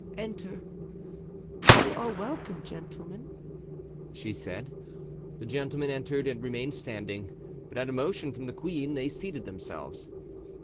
"Enter. You are welcome, gentlemen," she said. The gentlemen entered and remained standing, but at a motion from the queen they seated themselves.